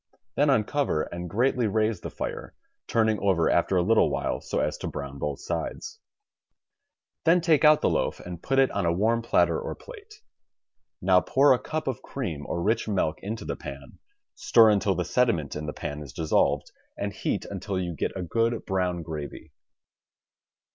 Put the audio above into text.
Then uncover and greatly raise the fire, turning over after a little while so as to brown both sides. WRITTEN FOR MEN BY MEN Then take out the loaf and put it on a warm platter or plate. Now pour a cup of cream or rich milk into the pan, stir until the sediment in the pan is dissolved, and heat until you get a good brown gravy.